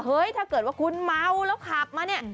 ถ้าเกิดว่าคุณเมาแล้วขับมาเนี่ย